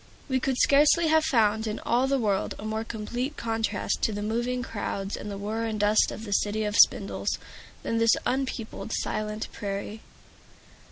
We could scarcely have found in all the world a more complete contrast to the moving crowds and the whir and dust of the City of Spindles, than this unpeopled, silent prairie.